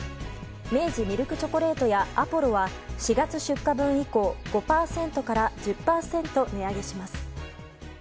明治ミルクチョコレートやアポロは４月出荷分以降５％から１０％値上げします。